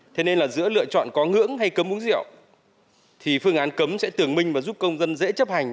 thế nên là giữa lựa chọn có ngưỡng hay cấm uống rượu thì phương án cấm sẽ tưởng minh và giúp công dân dễ chấp hành